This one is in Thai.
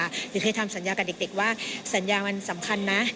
หรือเคยทำสัญญากับเด็กว่าสัญญามันสำคัญนะ